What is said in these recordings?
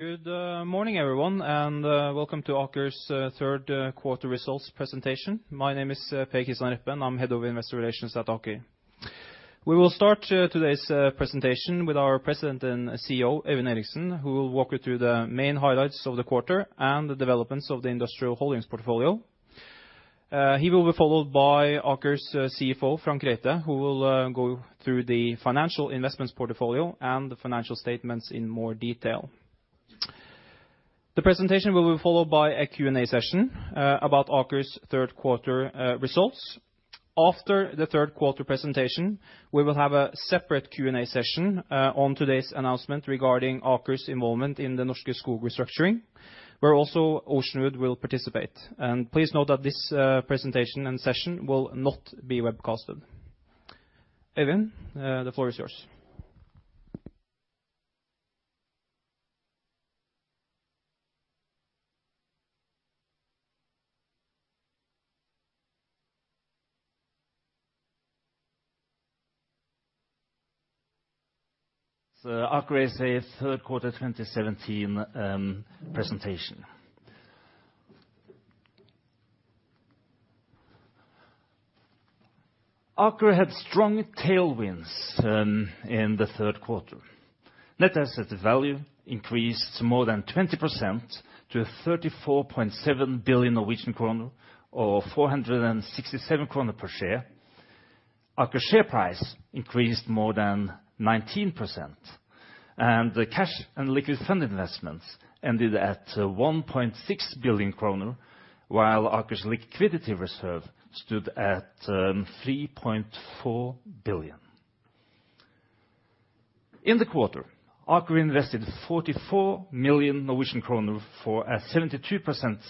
Good morning, everyone, and welcome to Aker's third quarter results presentation. My name is Per Gisselman. I am Head of Investor Relations at Aker. We will start today's presentation with our President and CEO, Øyvind Eriksen, who will walk you through the main highlights of the quarter and the developments of the industrial holdings portfolio. He will be followed by Aker's CFO, Frank O. Reite, who will go through the financial investments portfolio and the financial statements in more detail. The presentation will be followed by a Q&A session about Aker's third quarter results. After the third quarter presentation, we will have a separate Q&A session on today's announcement regarding Aker's involvement in the Norske Skog restructuring, where also Oceanwood will participate. Please note that this presentation and session will not be webcasted. Øyvind, the floor is yours. Aker ASA third quarter 2017 presentation. Aker had strong tailwinds in the third quarter. Net asset value increased more than 20% to 34.7 billion Norwegian kroner or 467 kroner per share. Aker's share price increased more than 19%, the cash and liquid fund investments ended at 1.6 billion kroner, while Aker's liquidity reserve stood at 3.4 billion. In the quarter, Aker invested 44 million Norwegian kroner for a 72%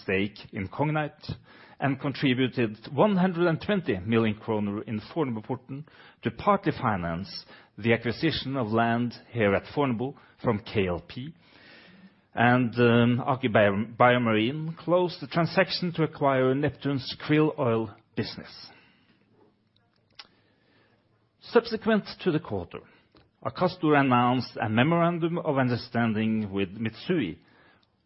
stake in Cognite and contributed 120 million kroner in Fornebuporten to partly finance the acquisition of land here at Fornebu from KLP. Aker BioMarine closed the transaction to acquire Neptune's krill oil business. Subsequent to the quarter, Akastor announced a memorandum of understanding with Mitsui & Co.,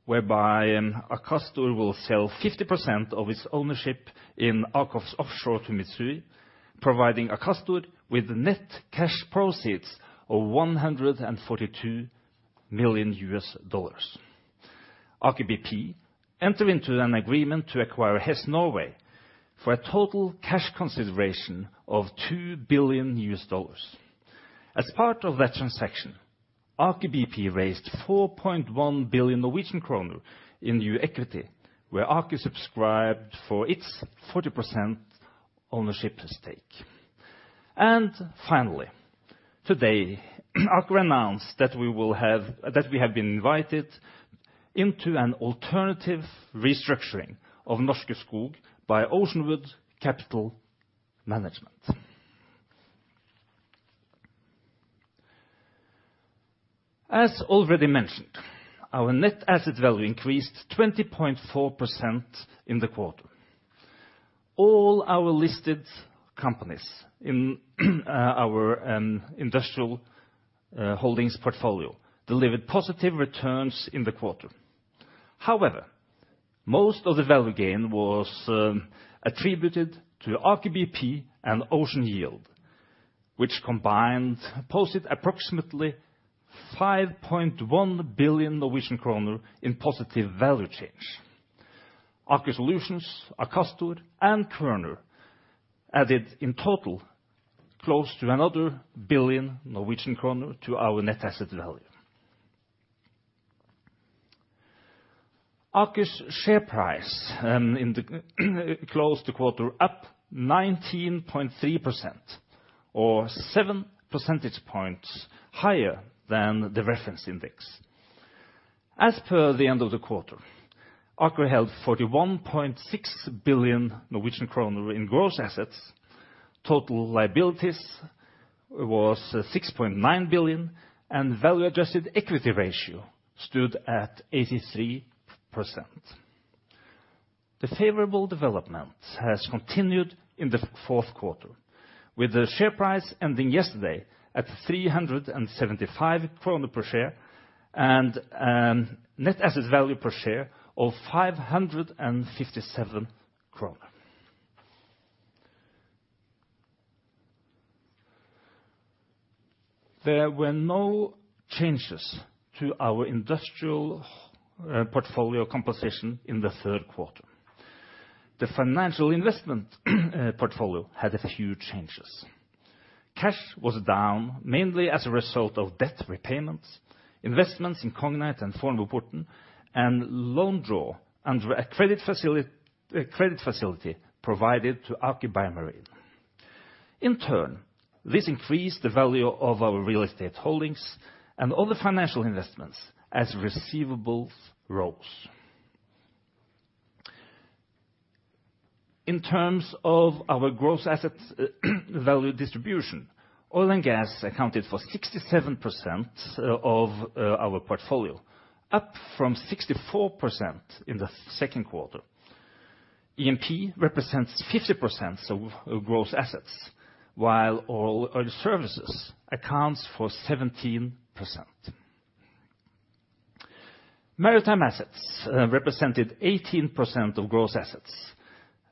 whereby Akastor will sell 50% of its ownership in AKOFS Offshore to Mitsui & Co., providing Akastor with net cash proceeds of $142 million. Aker BP entered into an agreement to acquire Hess Norge AS for a total cash consideration of $2 billion. As part of that transaction, Aker BP raised 4.1 billion Norwegian kroner in new equity, where Aker subscribed for its 40% ownership stake. Finally, today, Aker announced that we have been invited into an alternative restructuring of Norske Skog by Oceanwood Capital Management. As already mentioned, our net asset value increased 20.4% in the quarter. All our listed companies in our industrial holdings portfolio delivered positive returns in the quarter. However, most of the value gain was attributed to Aker BP and Ocean Yield, which combined posted approximately 5.1 billion Norwegian kroner in positive value change. Aker Solutions, Akastor, and Kværner added in total close to another 1 billion Norwegian kroner to our net asset value. Aker's share price in the close the quarter up 19.3% or 7 percentage points higher than the reference index. As per the end of the quarter, Aker held 41.6 billion Norwegian kroner in gross assets. Total liabilities was 6.9 billion, value-adjusted equity ratio stood at 83%. The favorable development has continued in the fourth quarter, with the share price ending yesterday at 375 kroner per share and net asset value per share of 557 kroner. There were no changes to our industrial portfolio composition in the third quarter. The financial investment portfolio had a few changes. Cash was down, mainly as a result of debt repayments, investments in Cognite and Fornebuporten, loan draw under a credit facility provided to Aker BioMarine. In turn, this increased the value of our real estate holdings and all the financial investments as receivables rose. In terms of our gross asset value distribution, oil and gas accounted for 67% of our portfolio, up from 64% in the second quarter. E&P represents 50% of gross assets, while oil services accounts for 17%. Maritime assets represented 18% of gross assets,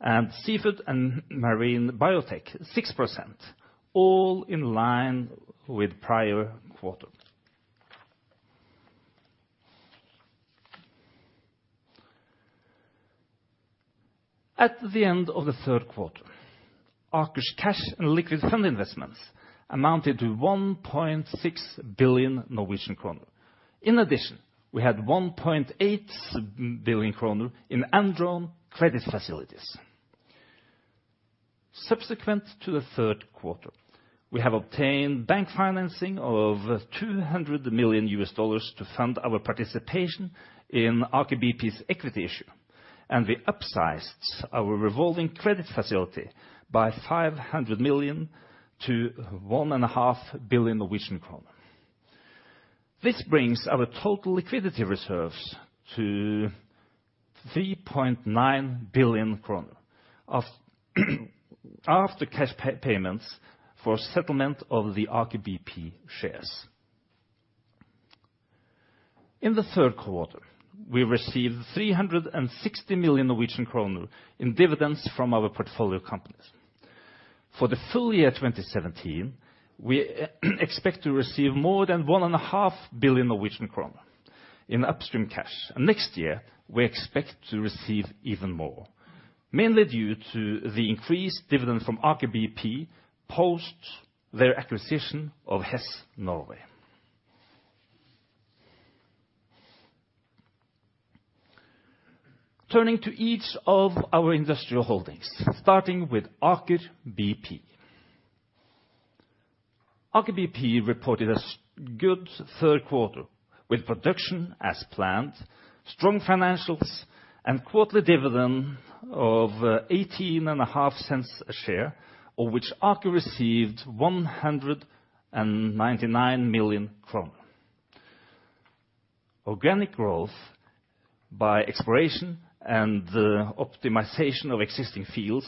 and seafood and marine biotech 6%, all in line with prior quarter. At the end of the third quarter, Aker's cash and liquid fund investments amounted to 1.6 billion Norwegian kroner. In addition, we had 1.8 billion kroner in undrawn credit facilities. Subsequent to the third quarter, we have obtained bank financing of $200 million to fund our participation in Aker BP's equity issue, and we upsized our revolving credit facility by 500 million to 1.5 billion. This brings our total liquidity reserves to 3.9 billion kroner after cash payments for settlement of the Aker BP shares. In the third quarter, we received 360 million Norwegian kroner in dividends from our portfolio companies. For the full year 2017, we expect to receive more than 1.5 billion Norwegian kroner in upstream cash. Next year, we expect to receive even more, mainly due to the increased dividend from Aker BP post their acquisition of Hess Norge. Turning to each of our industrial holdings, starting with Aker BP. Aker BP reported a good third quarter, with production as planned, strong financials, and quarterly dividend of 0.185 a share, of which Aker received 199 million. Organic growth by exploration and the optimization of existing fields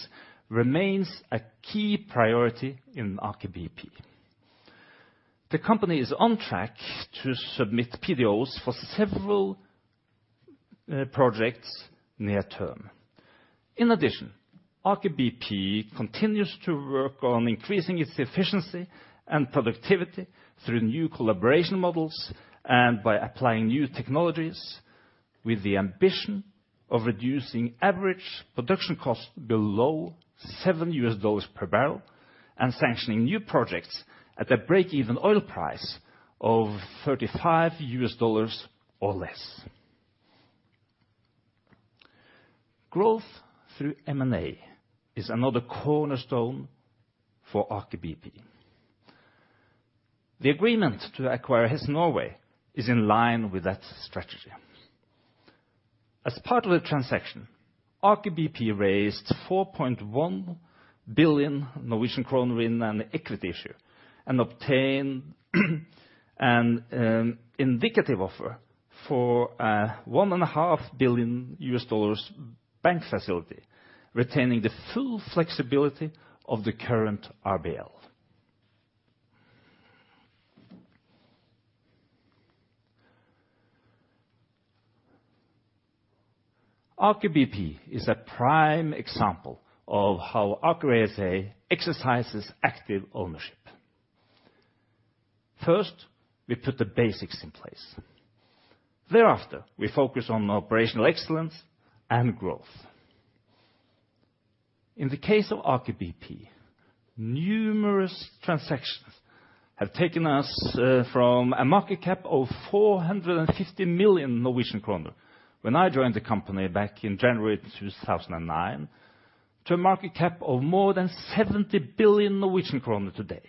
remains a key priority in Aker BP. The company is on track to submit PDOs for several projects near-term. In addition, Aker BP continues to work on increasing its efficiency and productivity through new collaboration models and by applying new technologies with the ambition of reducing average production cost below $7 per barrel, and sanctioning new projects at a break-even oil price of $35 or less. Growth through M&A is another cornerstone for Aker BP. The agreement to acquire Hess Norge is in line with that strategy. As part of the transaction, Aker BP raised 4.1 billion Norwegian kroner in an equity issue and obtained an indicative offer for a $1.5 billion bank facility, retaining the full flexibility of the current RBL. Aker BP is a prime example of how Aker ASA exercises active ownership. First, we put the basics in place. Thereafter, we focus on operational excellence and growth. In the case of Aker BP, numerous transactions have taken us from a market cap of 450 million Norwegian kroner when I joined the company back in January 2009, to a market cap of more than 70 billion Norwegian kroner today.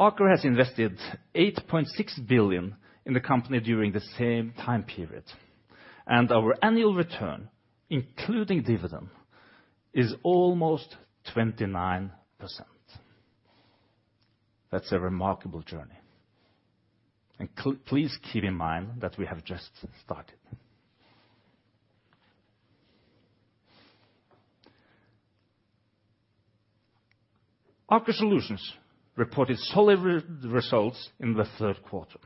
Aker has invested 8.6 billion in the company during the same time period, and our annual return, including dividend, is almost 29%. That's a remarkable journey. Please keep in mind that we have just started. Aker Solutions reported solid results in the third quarter.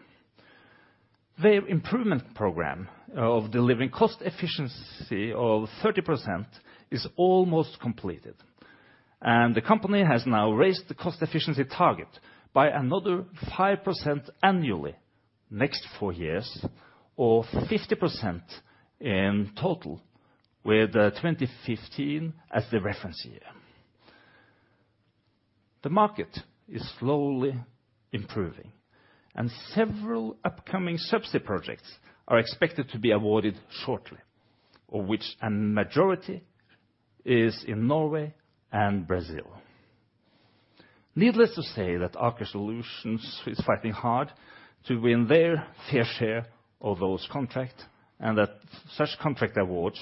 Their improvement program of delivering cost efficiency of 30% is almost completed, and the company has now raised the cost efficiency target by another 5% annually, next four years, or 50% in total, with 2015 as the reference year. The market is slowly improving, and several upcoming subsea projects are expected to be awarded shortly, of which a majority is in Norway and Brazil. Needless to say that Aker Solutions is fighting hard to win their fair share of those contracts, and that such contract awards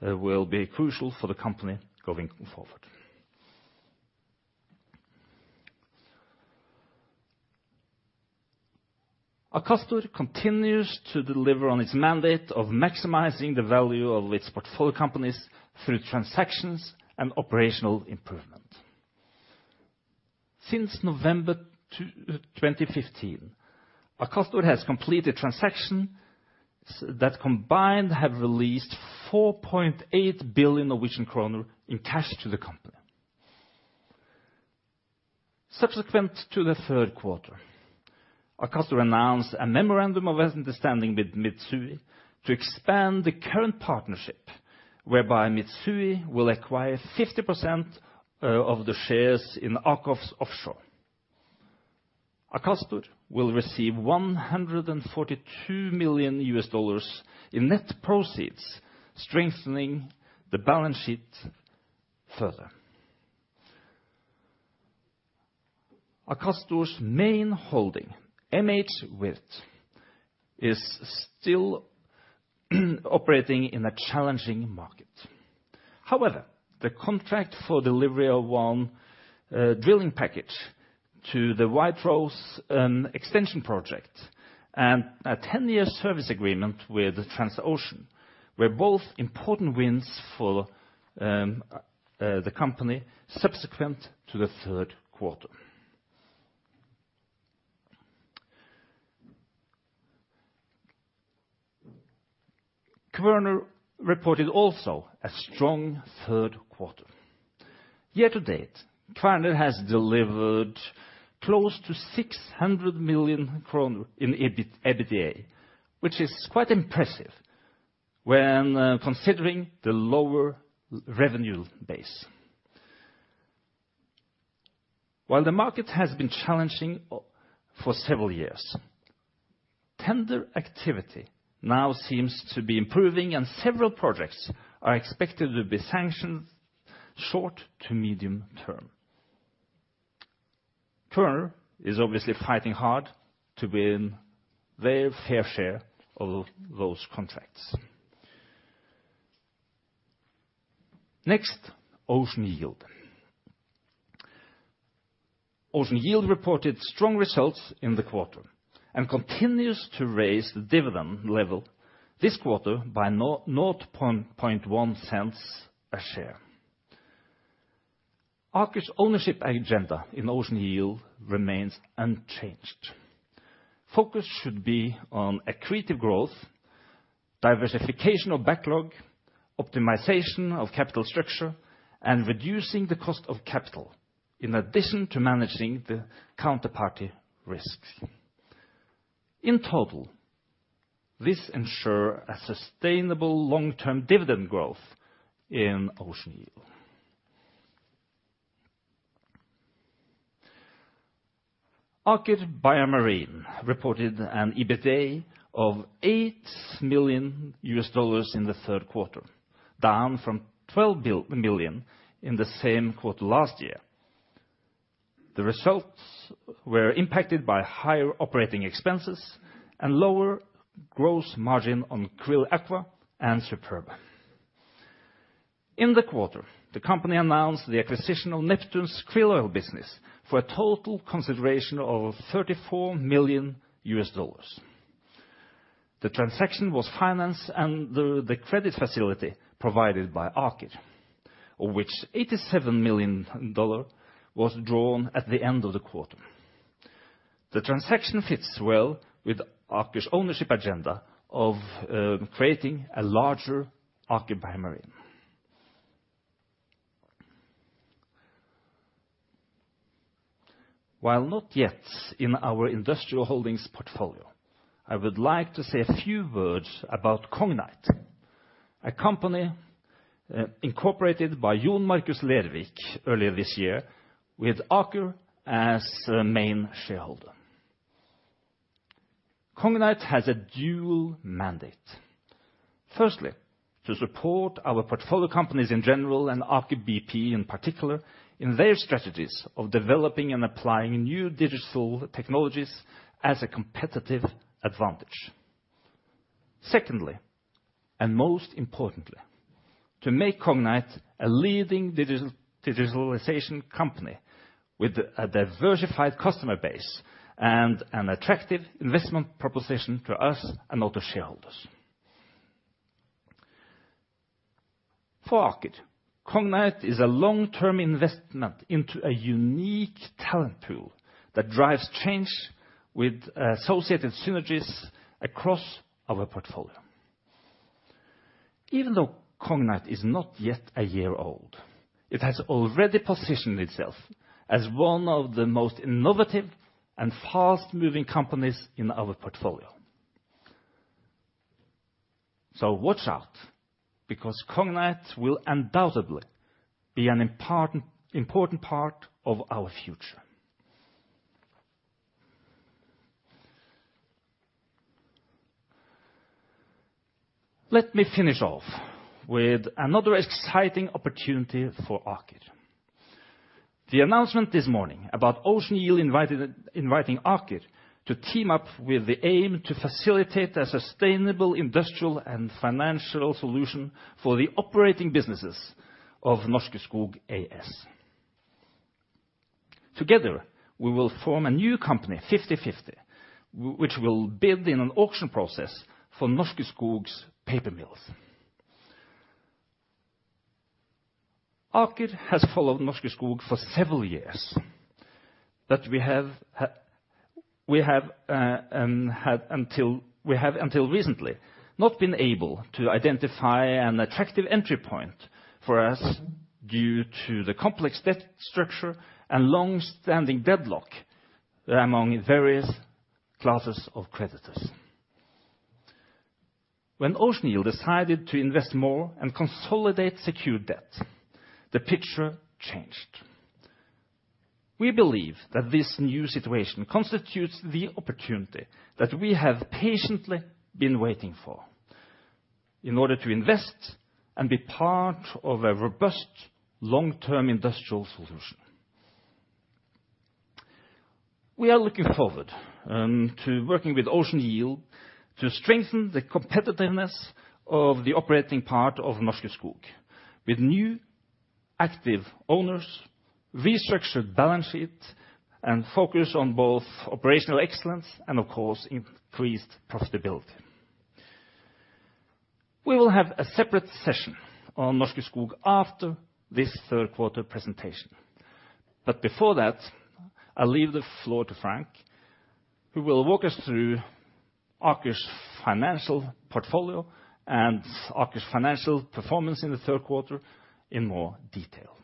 will be crucial for the company going forward. Akastor continues to deliver on its mandate of maximizing the value of its portfolio companies through transactions and operational improvement. Since November 2015, Akastor has completed transactions that combined have released 4.8 billion Norwegian kroner in cash to the company. Subsequent to the third quarter, Akastor announced a memorandum of understanding with Mitsui to expand the current partnership, whereby Mitsui will acquire 50% of the shares in AKOFS Offshore. Akastor will receive $142 million USD in net proceeds, strengthening the balance sheet further. Akastor's main holding, MHWirth, is still operating in a challenging market. However, the contract for delivery of one drilling package to the White Rose Extension Project and a 10-year service agreement with Transocean, were both important wins for the company subsequent to the third quarter. Kværner reported also a strong third quarter. Year to date, Kværner has delivered close to 600 million in EBITDA, which is quite impressive when considering the lower revenue base. While the market has been challenging for several years, tender activity now seems to be improving, and several projects are expected to be sanctioned short to medium term. Kværner is obviously fighting hard to win their fair share of those contracts. Next, Ocean Yield. Ocean Yield reported strong results in the quarter and continues to raise the dividend level this quarter by $0.001 a share. Aker's ownership agenda in Ocean Yield remains unchanged. Focus should be on accretive growth, diversification of backlog, optimization of capital structure, and reducing the cost of capital, in addition to managing the counterparty risks. In total, this ensure a sustainable long-term dividend growth in Ocean Yield. Aker BioMarine reported an EBITDA of $8 million USD in the third quarter, down from $12 million USD in the same quarter last year. The results were impacted by higher operating expenses and lower gross margin on QRILL Aqua and Superba. In the quarter, the company announced the acquisition of Neptune's Krill Oil business for a total consideration of $34 million USD. The transaction was financed under the credit facility provided by Aker, of which $87 million USD was drawn at the end of the quarter. The transaction fits well with Aker's ownership agenda of creating a larger Aker BioMarine. While not yet in our industrial holdings portfolio, I would like to say a few words about Cognite, a company incorporated by John Markus Lervik earlier this year with Aker as the main shareholder. Cognite has a dual mandate. Firstly, to support our portfolio companies in general and Aker BP in particular, in their strategies of developing and applying new digital technologies as a competitive advantage. Secondly, and most importantly, to make Cognite a leading digitalization company with a diversified customer base and an attractive investment proposition to us and other shareholders. For Aker, Cognite is a long-term investment into a unique talent pool that drives change with associated synergies across our portfolio. Even though Cognite is not yet a year old, it has already positioned itself as one of the most innovative and fast-moving companies in our portfolio. Watch out, because Cognite will undoubtedly be an important part of our future. Let me finish off with another exciting opportunity for Aker. The announcement this morning about Ocean Yield inviting Aker to team up with the aim to facilitate a sustainable industrial and financial solution for the operating businesses of Norske Skog ASA. Together, we will form a new company, 50/50, which will build in an auction process for Norske Skog's paper mills. Aker has followed Norske Skog for several years, but we have until recently not been able to identify an attractive entry point for us due to the complex debt structure and longstanding deadlock among various classes of creditors. When Ocean Yield decided to invest more and consolidate secured debt, the picture changed. We believe that this new situation constitutes the opportunity that we have patiently been waiting for in order to invest and be part of a robust long-term industrial solution. We are looking forward to working with Ocean Yield to strengthen the competitiveness of the operating part of Norske Skog with new, active owners, restructured balance sheet, and focus on both operational excellence and, of course, increased profitability. We will have a separate session on Norske Skog after this third quarter presentation. Before that, I leave the floor to Frank, who will walk us through Aker's financial portfolio and Aker's financial performance in the third quarter in more detail.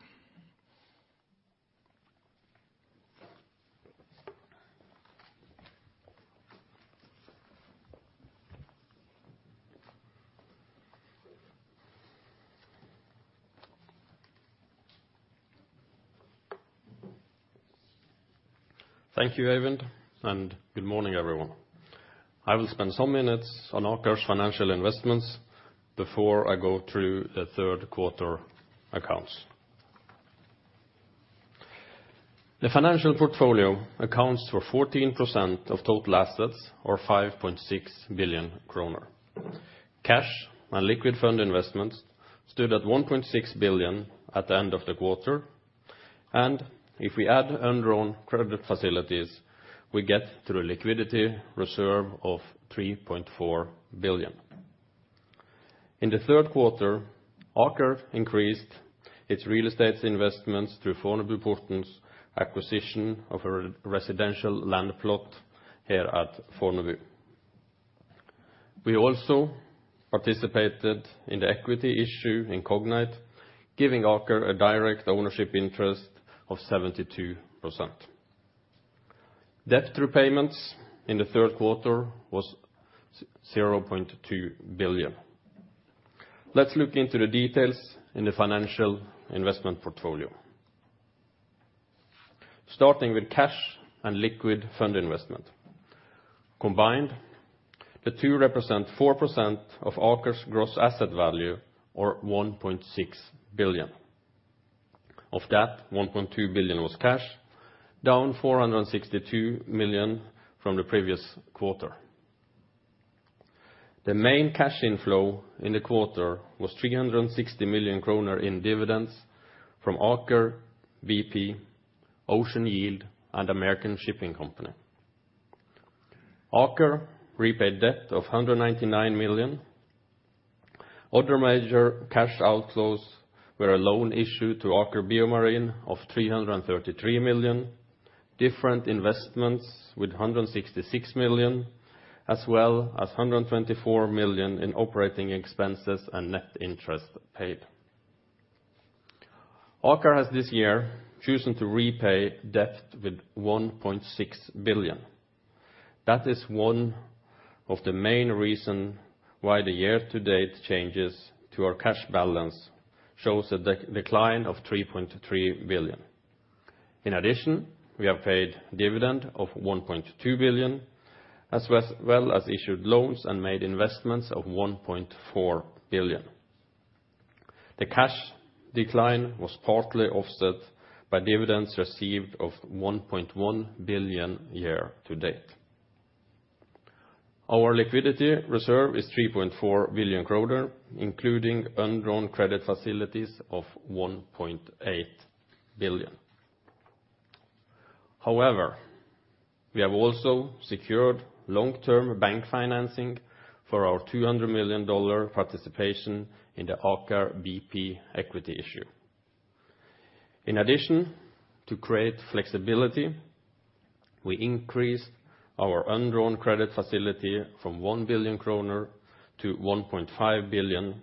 Thank you, Øyvind, and good morning, everyone. I will spend some minutes on Aker's financial investments before I go through the third quarter accounts. The financial portfolio accounts for 14% of total assets, or 5.6 billion kroner. Cash and liquid fund investments stood at 1.6 billion at the end of the quarter, and if we add undrawn credit facilities, we get to a liquidity reserve of 3.4 billion. In the third quarter, Aker increased its real estate investments through Fornebuporten's acquisition of a residential land plot here at Fornebu. We also participated in the equity issue in Cognite, giving Aker a direct ownership interest of 72%. Debt repayments in the third quarter was 0.2 billion. Let's look into the details in the financial investment portfolio. Starting with cash and liquid fund investment. Combined, the two represent 4% of Aker's gross asset value, or 1.6 billion. Of that, 1.2 billion was cash, down 462 million from the previous quarter. The main cash inflow in the quarter was 360 million kroner in dividends from Aker BP, Ocean Yield, and American Shipping Company. Aker repaid debt of 199 million. Other major cash outflows were a loan issue to Aker BioMarine of 333 million, different investments with 166 million, as well as 124 million in operating expenses and net interest paid. Aker has this year chosen to repay debt with 1.6 billion. That is one of the main reason why the year-to-date changes to our cash balance shows a decline of 3.3 billion. In addition, we have paid dividend of 1.2 billion, as well as issued loans and made investments of 1.4 billion. The cash decline was partly offset by dividends received of 1.1 billion year to date. Our liquidity reserve is 3.4 billion kroner, including undrawn credit facilities of 1.8 billion. We have also secured long-term bank financing for our NOK 200 million participation in the Aker BP equity issue. To create flexibility, we increased our undrawn credit facility from 1 billion kroner to 1.5 billion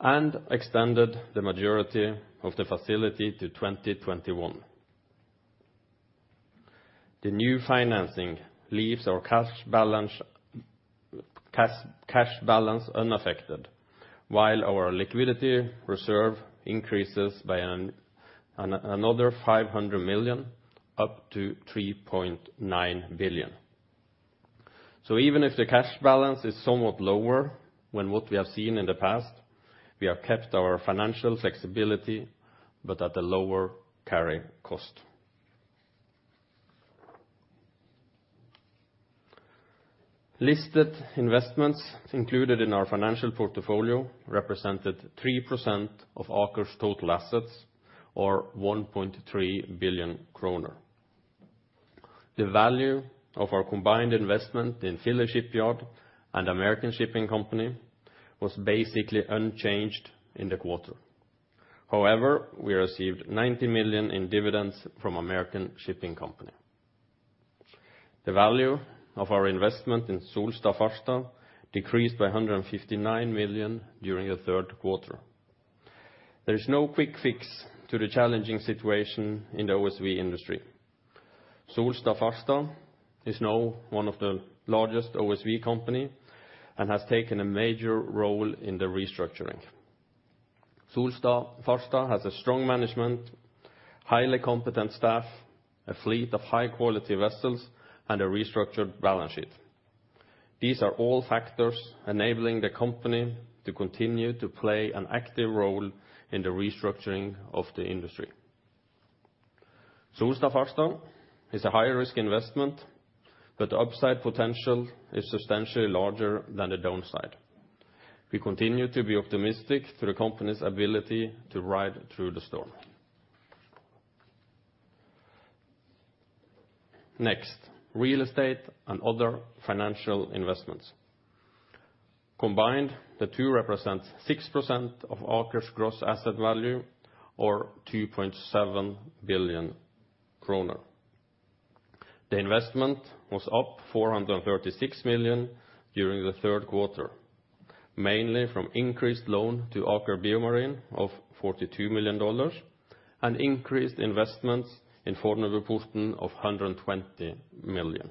and extended the majority of the facility to 2021. The new financing leaves our cash balance unaffected while our liquidity reserve increases by another 500 million, up to 3.9 billion. Even if the cash balance is somewhat lower than what we have seen in the past, we have kept our financial flexibility, but at a lower carry cost. Listed investments included in our financial portfolio represented 3% of Aker's total assets, or 1.3 billion kroner. The value of our combined investment in Philly Shipyard and American Shipping Company was basically unchanged in the quarter. We received 90 million in dividends from American Shipping Company. The value of our investment in Solstad Farstad decreased by 159 million during the third quarter. There is no quick fix to the challenging situation in the OSV industry. Solstad Farstad is now one of the largest OSV company and has taken a major role in the restructuring. Solstad Farstad has a strong management, highly competent staff, a fleet of high-quality vessels, and a restructured balance sheet. These are all factors enabling the company to continue to play an active role in the restructuring of the industry. Solstad Farstad is a high-risk investment, but the upside potential is substantially larger than the downside. We continue to be optimistic to the company's ability to ride through the storm. Next, real estate and other financial investments. Combined, the two represents 6% of Aker's gross asset value, or 2.7 billion kroner. The investment was up 436 million during the third quarter, mainly from increased loan to Aker BioMarine of NOK 42 million and increased investments in Fornebuporten of 120 million.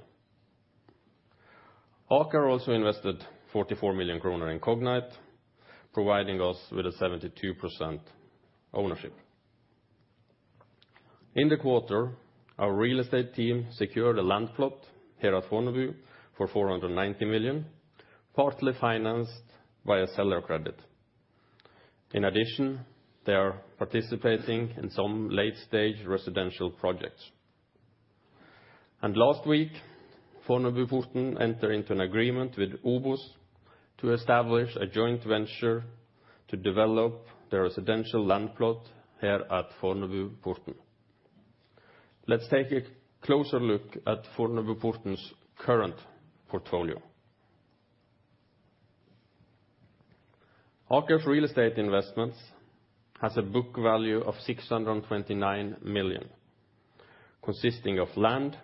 Aker also invested 44 million kroner in Cognite, providing us with a 72% ownership. In the quarter, our real estate team secured a land plot here at Fornebu for 490 million, partly financed by a seller credit. They are participating in some late-stage residential projects. Last week, Fornebuporten enter into an agreement with OBOS to establish a joint venture to develop the residential land plot here at Fornebuporten. Let's take a closer look at Fornebuporten's current portfolio. Aker's real estate investments has a book value of 629 million, consisting of land,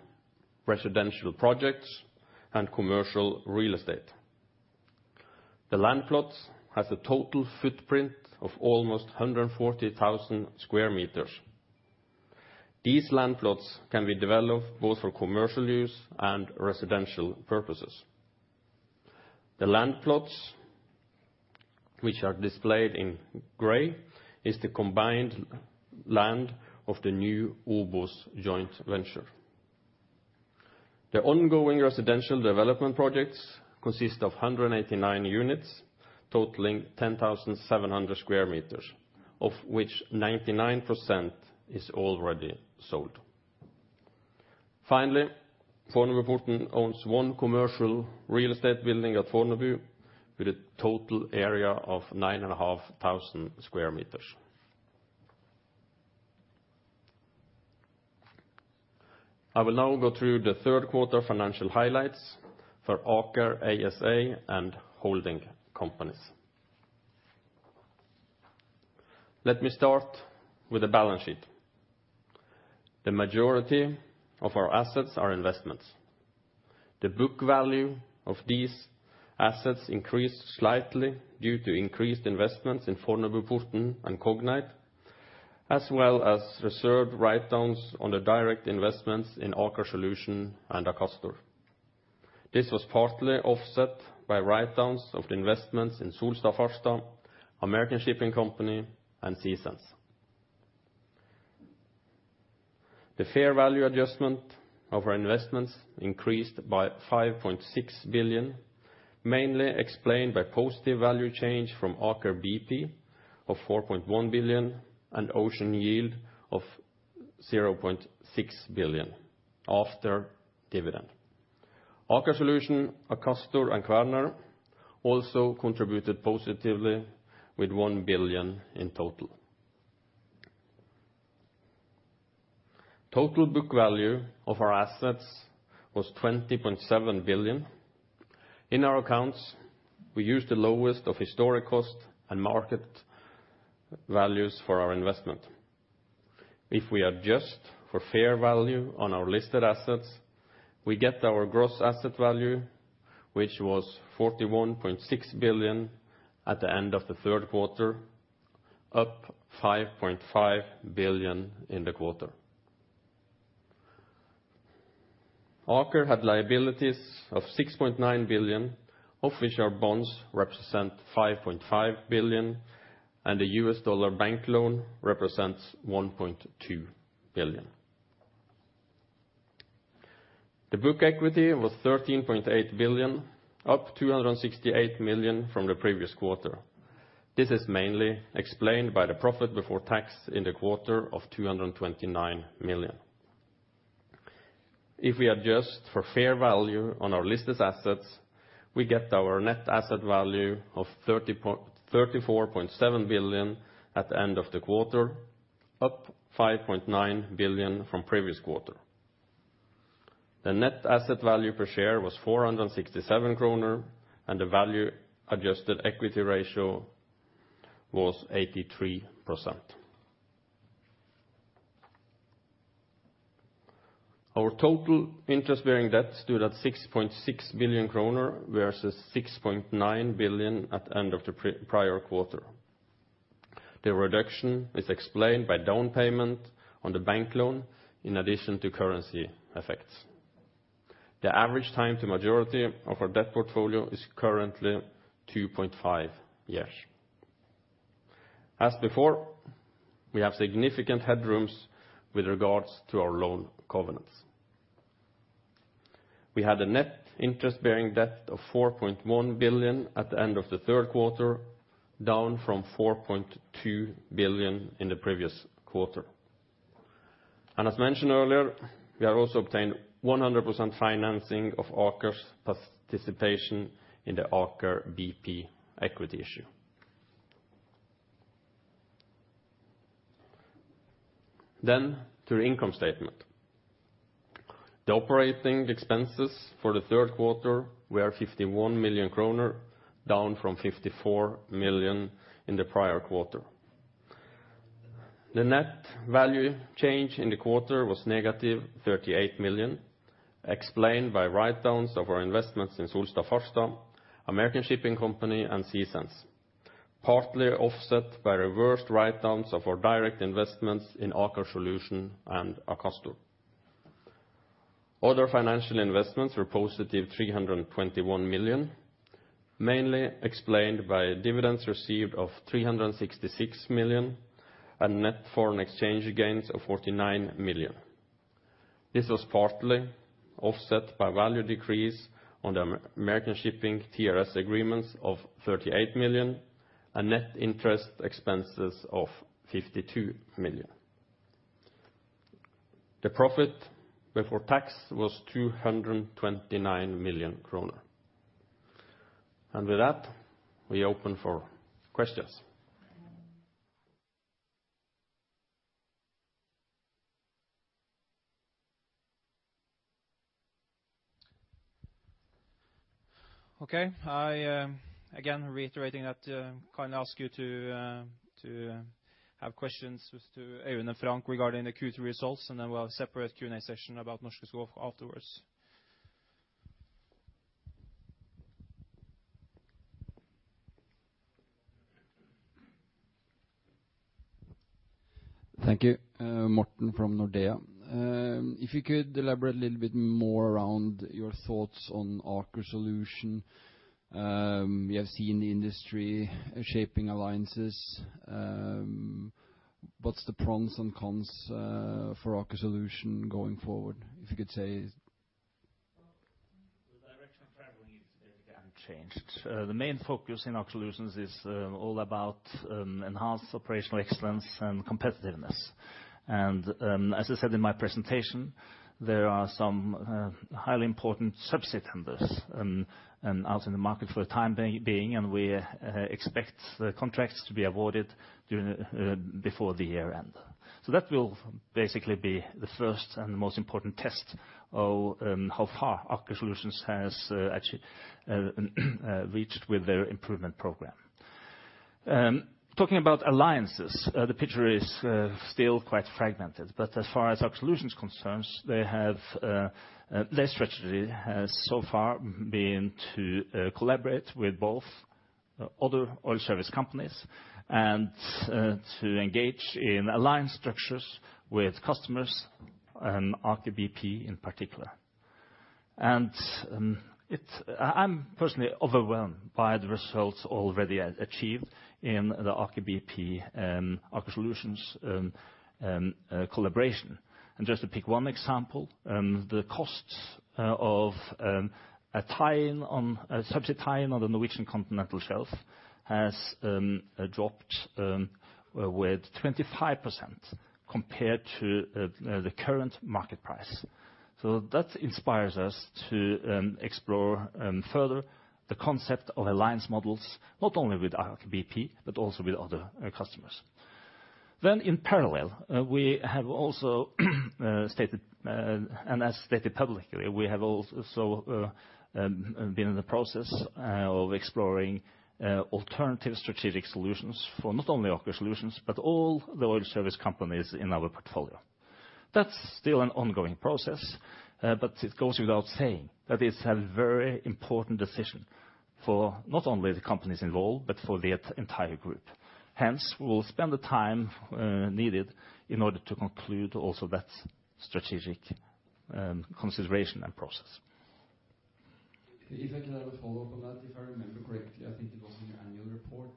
residential projects, and commercial real estate. The land plots has a total footprint of almost 140,000 sq m. These land plots can be developed both for commercial use and residential purposes. The land plots, which are displayed in gray, is the combined land of the new OBOS joint venture. The ongoing residential development projects consist of 189 units, totaling 10,700 sq m, of which 99% is already sold. Finally, Fornebuporten owns one commercial real estate building at Fornebu with a total area of 9,500 sq m. I will now go through the third quarter financial highlights for Aker ASA and holding companies. Let me start with the balance sheet. The majority of our assets are investments. The book value of these assets increased slightly due to increased investments in Fornebuporten and Cognite, as well as reserved write-downs on the direct investments in Aker Solutions and Akastor. This was partly offset by write-downs of the investments in Solstad Farstad, American Shipping Company, and Sea Sense. The fair value adjustment of our investments increased by 5.6 billion, mainly explained by positive value change from Aker BP of 4.1 billion and Ocean Yield of 0.6 billion after dividend. Aker Solutions, Akastor, and Kværner also contributed positively with 1 billion in total. Total book value of our assets was 20.7 billion. In our accounts, we used the lowest of historic cost and market values for our investment. If we adjust for fair value on our listed assets, we get our gross asset value, which was 41.6 billion at the end of the third quarter, up 5.5 billion in the quarter. Aker had liabilities of 6.9 billion, of which our bonds represent 5.5 billion, and the U.S. dollar bank loan represents $1.2 billion. The book equity was 13.8 billion, up 268 million from the previous quarter. This is mainly explained by the profit before tax in the quarter of 229 million. If we adjust for fair value on our listed assets, we get our net asset value of 34.7 billion at the end of the quarter, up 5.9 billion from previous quarter. The net asset value per share was 467 kroner, and the value-adjusted equity ratio was 83%. Our total interest-bearing debt stood at 6.6 billion kroner, versus 6.9 billion at end of the prior quarter. The reduction is explained by down payment on the bank loan in addition to currency effects. The average time to maturity of our debt portfolio is currently 2.5 years. As before, we have significant headrooms with regards to our loan covenants. We had a net interest-bearing debt of 4.1 billion at the end of the third quarter, down from 4.2 billion in the previous quarter. As mentioned earlier, we have also obtained 100% financing of Aker's participation in the Aker BP equity issue. Then to the income statement. The operating expenses for the third quarter were 51 million kroner, down from 54 million in the prior quarter. The net value change in the quarter was negative 38 million, explained by write-downs of our investments in Solstad Farstad, American Shipping, and Sesens, partly offset by reversed write-downs of our direct investments in Aker Solutions and Akastor. Other financial investments were positive 321 million, mainly explained by dividends received of 366 million and net foreign exchange gains of 49 million. This was partly offset by value decrease on the American Shipping TRS agreements of 38 million and net interest expenses of 52 million. The profit before tax was 229 million kroner. With that, we open for questions. Okay. I again reiterating that, can I ask you to have questions to Øyvind and Frank regarding the Q3 results, and then we'll have a separate Q&A session about Norske Skog afterwards. Thank you. Morten from Nordea. If you could elaborate a little bit more around your thoughts on Aker Solutions. We have seen the industry shaping alliances. What's the pros and cons for Aker Solutions going forward? If you could say. The direction of travel is basically unchanged. The main focus in Aker Solutions is all about enhanced operational excellence and competitiveness. As I said in my presentation, there are some highly important subsea tenders out in the market for the time being, and we expect the contracts to be awarded before the year-end. That will basically be the first and most important test of how far Aker Solutions has actually reached with their improvement program. Talking about alliances, the picture is still quite fragmented, but as far as Aker Solutions concerns, their strategy has so far been to collaborate with both other oil service companies and to engage in alliance structures with customers and Aker BP in particular. I'm personally overwhelmed by the results already achieved in the Aker BP, Aker Solutions collaboration. Just to pick one example the costs of a subsea tie-in on the Norwegian continental shelf has dropped with 25% compared to the current market price. That inspires us to explore further the concept of alliance models, not only with Aker BP but also with other customers. In parallel, we have also stated, and as stated publicly, we have also been in the process of exploring alternative strategic solutions for not only Aker Solutions, but all the oil service companies in our portfolio. That's still an ongoing process, but it goes without saying that it's a very important decision for not only the companies involved, but for the entire group. Hence, we will spend the time needed in order to conclude also that strategic consideration and process. If I could have a follow-up on that. If I remember correctly, I think it was in your annual report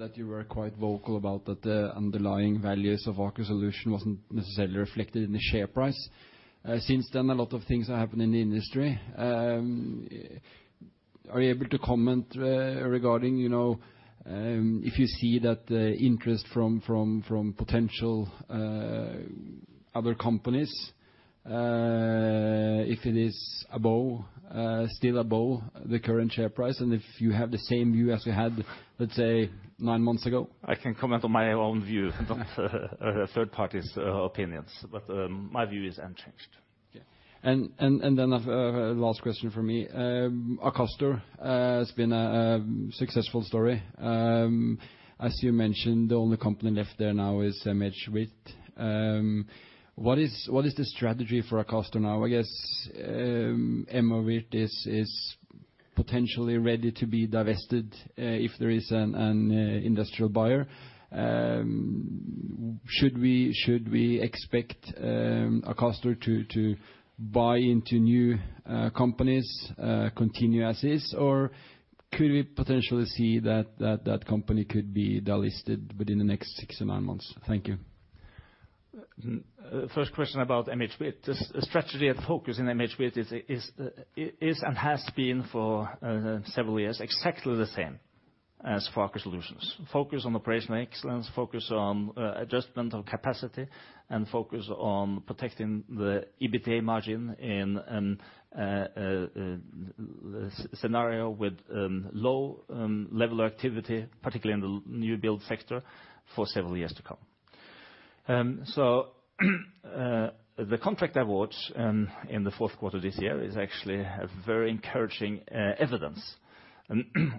that you were quite vocal about that the underlying values of Aker Solutions wasn't necessarily reflected in the share price. Since then, a lot of things have happened in the industry. Are you able to comment regarding if you see that the interest from potential other companies, if it is still above the current share price, and if you have the same view as you had, let's say, nine months ago? I can comment on my own view not a third party's opinions. My view is unchanged. Yeah. A last question from me. Akastor has been a successful story. As you mentioned, the only company left there now is MHWirth. What is the strategy for Akastor now? I guess MHWirth is potentially ready to be divested if there is an industrial buyer. Should we expect Akastor to buy into new companies, continue as is, or could we potentially see that that company could be delisted within the next six to nine months? Thank you. First question about MHWirth. The strategy and focus in MHWirth is and has been for several years, exactly the same as Aker Solutions. Focus on operational excellence, focus on adjustment of capacity, and focus on protecting the EBITDA margin in a scenario with low level activity, particularly in the new build sector for several years to come. The contract awards in the fourth quarter this year is actually a very encouraging evidence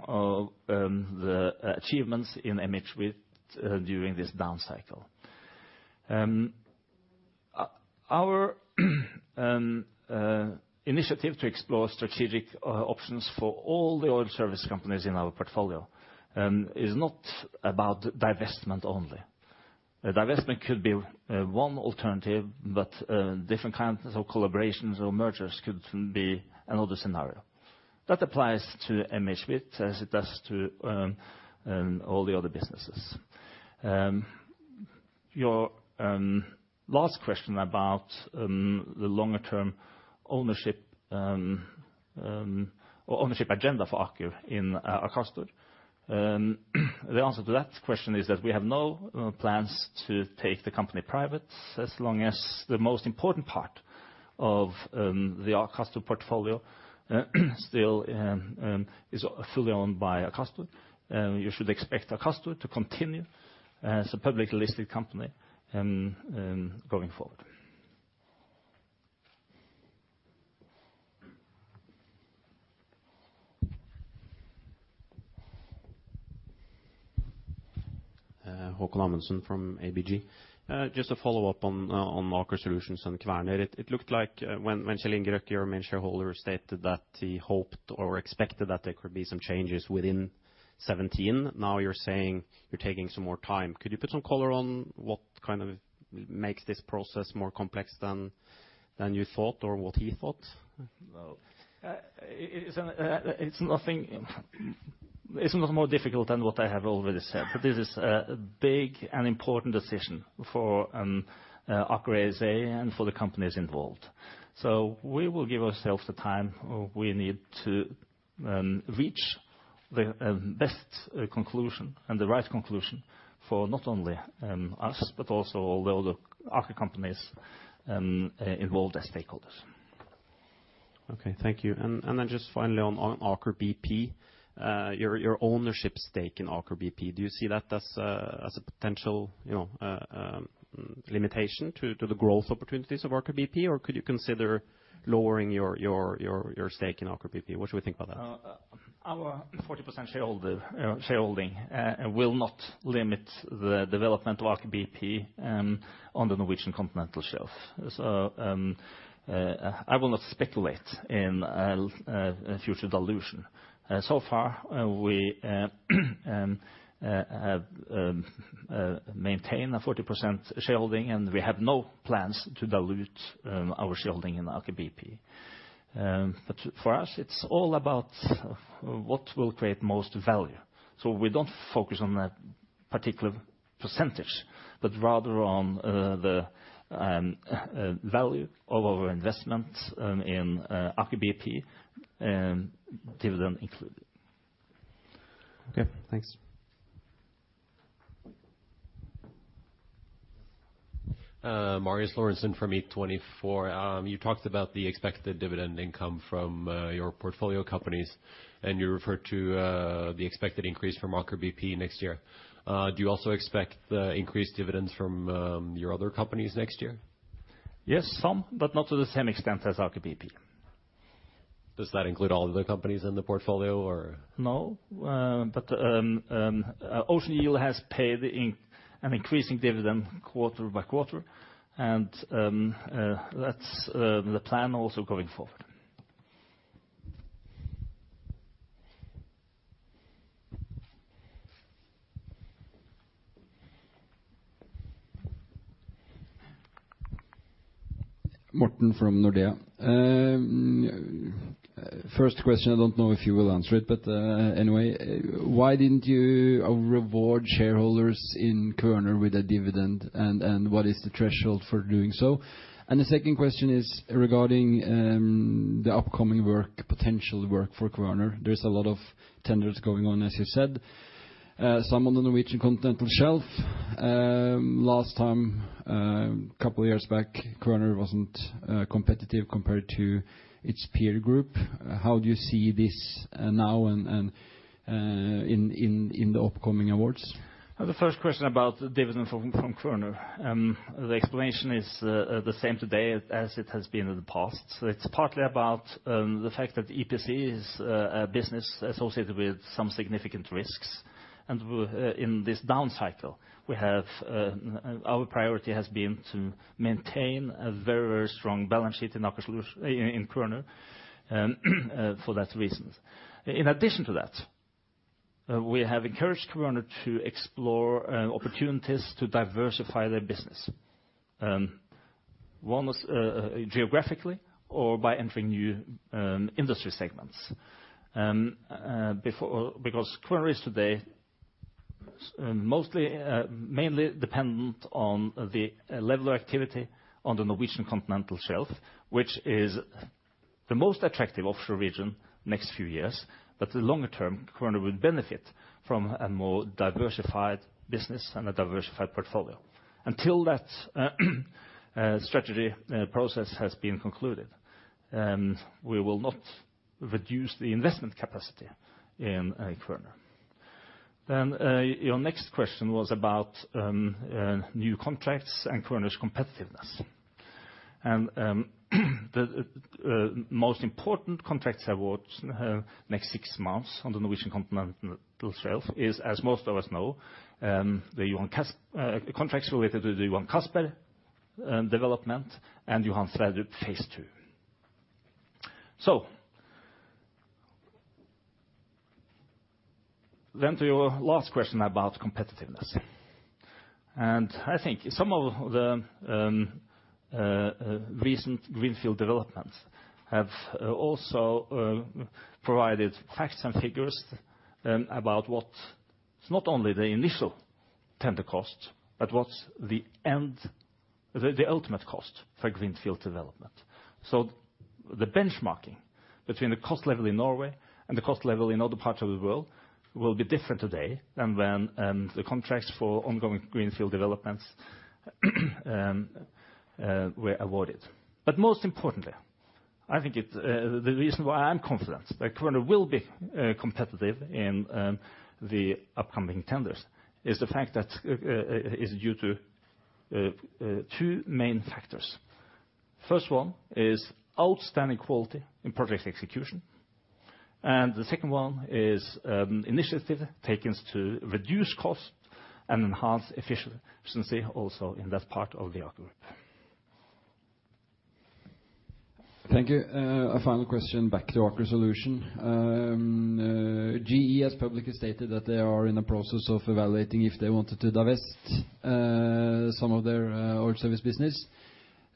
of the achievements in MHWirth during this down cycle. Our initiative to explore strategic options for all the oil service companies in our portfolio is not about divestment only. Divestment could be one alternative, but different kinds of collaborations or mergers could be another scenario. That applies to MHWirth, as it does to all the other businesses. Your last question about the longer term ownership agenda for Aker in Akastor. The answer to that question is that we have no plans to take the company private as long as the most important part of the Akastor portfolio still is fully owned by Akastor. You should expect Akastor to continue as a public listed company going forward. Håkon Amundsen from ABG. A follow-up on Aker Solutions and Kværner. It looked like when Kjell Inge Røkke, your main shareholder, stated that he hoped or expected that there could be some changes within 2017. You're saying you're taking some more time. Could you put some color on what makes this process more complex than you thought or what he thought? No. It's nothing more difficult than what I have already said. This is a big and important decision for Aker ASA and for the companies involved. We will give ourselves the time we need to reach the best conclusion and the right conclusion for not only us, but also all the other Aker companies involved as stakeholders. Okay, thank you. Finally on Aker BP. Your ownership stake in Aker BP, do you see that as a potential limitation to the growth opportunities of Aker BP? Could you consider lowering your stake in Aker BP? What should we think about that? Our 40% shareholding will not limit the development of Aker BP on the Norwegian continental shelf. I will not speculate in a future dilution. So far, we have maintained a 40% shareholding, and we have no plans to dilute our shareholding in Aker BP. For us, it's all about what will create most value. We don't focus on that particular percentage, but rather on the value of our investments in Aker BP, dividend included. Okay, thanks. Marius Lorentsen from E24. You talked about the expected dividend income from your portfolio companies, and you referred to the expected increase from Aker BP next year. Do you also expect increased dividends from your other companies next year? Yes, some, but not to the same extent as Aker BP. Does that include all of the companies in the portfolio or? No. Ocean Yield has paid an increasing dividend quarter by quarter, and that's the plan also going forward. Morten from Nordea. First question, I don't know if you will answer it, anyway, why didn't you reward shareholders in Kværner with a dividend? What is the threshold for doing so? The second question is regarding the upcoming potential work for Kværner. There's a lot of tenders going on, as you said. Some on the Norwegian continental shelf. Last time, a couple of years back, Kværner wasn't competitive compared to its peer group. How do you see this now, and in the upcoming awards? The first question about the dividend from Kværner. The explanation is the same today as it has been in the past. It's partly about the fact that EPC is a business associated with some significant risks. In this down cycle, our priority has been to maintain a very strong balance sheet in Aker Solutions in Kværner, for that reason. In addition to that, we have encouraged Kværner to explore opportunities to diversify their business. One was geographically or by entering new industry segments. Kværner is today mainly dependent on the level of activity on the Norwegian continental shelf, which is the most attractive offshore region next few years. In the longer term, Kværner would benefit from a more diversified business and a diversified portfolio. Until that strategy process has been concluded, we will not reduce the investment capacity in Kværner. Your next question was about new contracts and Kværner's competitiveness. The most important contracts awards next 6 months on the Norwegian continental shelf is, as most of us know, contracts related to the Johan Castberg development and Johan Sverdrup Phase 2. To your last question about competitiveness. I think some of the recent greenfield developments have also provided facts and figures about what's not only the initial tender cost, but what's the ultimate cost for greenfield development. The benchmarking between the cost level in Norway and the cost level in other parts of the world will be different today than when the contracts for ongoing greenfield developments were awarded. Most importantly, I think the reason why I'm confident that Kværner will be competitive in the upcoming tenders is due to two main factors. First one is outstanding quality in project execution, and the second one is initiative takings to reduce cost and enhance efficiency also in that part of the Aker Group. Thank you. A final question back to Aker Solutions. GE has publicly stated that they are in the process of evaluating if they wanted to divest some of their oil service business.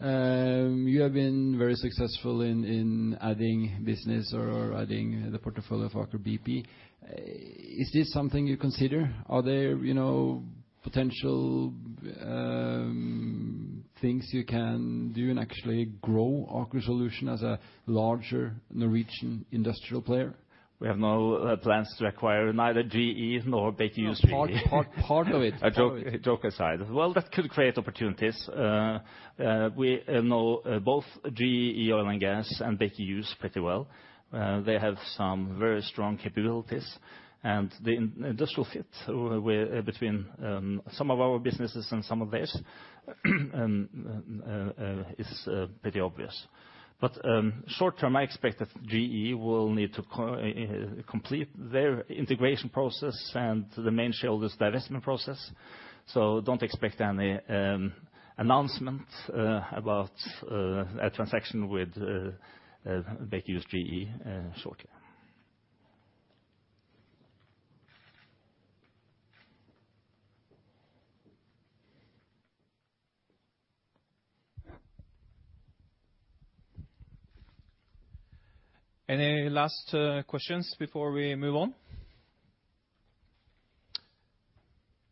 You have been very successful in adding business or adding the portfolio for Aker BP. Is this something you consider? Are there potential things you can do and actually grow Aker Solutions as a larger Norwegian industrial player? We have no plans to acquire neither GE nor Baker Hughes. Part of it. That could create opportunities. We know both GE Oil & Gas and Baker Hughes pretty well. They have some very strong capabilities, and the industrial fit between some of our businesses and some of theirs is pretty obvious. Short-term, I expect that GE will need to complete their integration process and the main shareholders' divestment process. Don't expect any announcement about a transaction with Baker Hughes/GE shortly. Any last questions before we move on?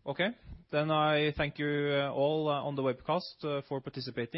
Okay, I thank you all on the webcast for participating.